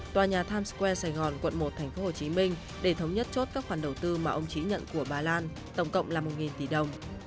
tòa nhà times square sài gòn quận một tp hcm để thống nhất chốt các khoản đầu tư mà ông trí nhận của bà lan tổng cộng là một tỷ đồng